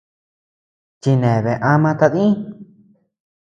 Chineabea ama tadï.